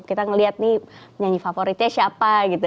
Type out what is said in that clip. kita ngeliat nih nyanyi favoritnya siapa gitu